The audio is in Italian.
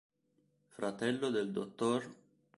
Fratello del dott.